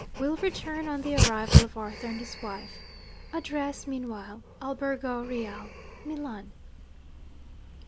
Will return on the arrival of Arthur and his wife. Address, meanwhile, Albergo Reale, Milan.'